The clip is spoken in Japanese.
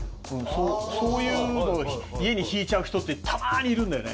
そういうのを家にひいちゃう人ってたまにいるんだよね。